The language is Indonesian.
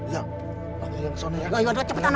ya panggil yang kesana ya